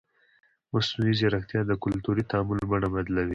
مصنوعي ځیرکتیا د کلتوري تعامل بڼه بدلوي.